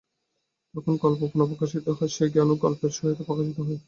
যখন কল্প পুনঃপ্রকাশিত হয়, সেই জ্ঞানও কল্পের সহিত প্রকাশিত হয়।